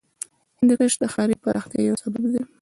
هندوکش د ښاري پراختیا یو سبب دی.